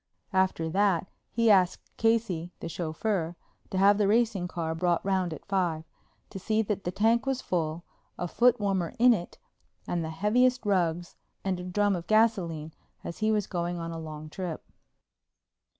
After that he asked Casey, the chauffeur, to have the racing car brought round at five, to see that the tank was full, a footwarmer in it and the heaviest rugs and a drum of gasoline, as he was going on a long trip.